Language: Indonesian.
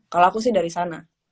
kalau aku sih dari sana